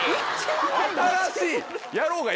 新しい！